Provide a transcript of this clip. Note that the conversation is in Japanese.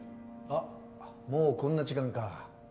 あっもうこんな時間か。